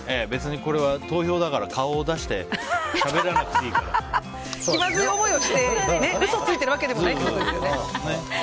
別にこれは投票だから顔を出して気まずい思いをして嘘ついてるわけでもないってことですね。